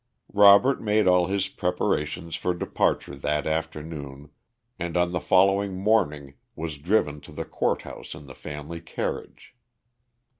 Robert made all his preparations for departure that afternoon, and on the following morning was driven to the Court House in the family carriage.